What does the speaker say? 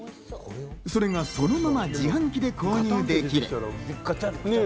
それがそのまま、自販機で購入できる。